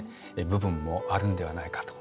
部分もあるんではないかと。